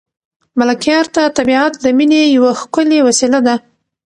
ملکیار ته طبیعت د مینې یوه ښکلې وسیله ده.